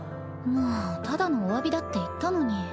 もうただのお詫びだって言ったのに。